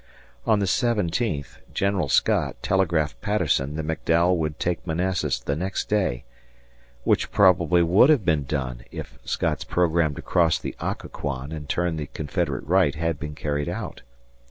On the seventeenth General Scott telegraphed Patterson that McDowell would take Manassas the next day, which probably would have been done if Scott's program to cross the Occoquan and turn the Confederate right had been carried out.